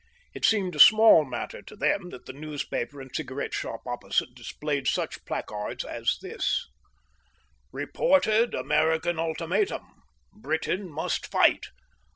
It seemed a small matter to them that the newspaper and cigarette shop opposite displayed such placards as this: REPORTED AMERICAN ULTIMATUM. BRITAIN MUST FIGHT.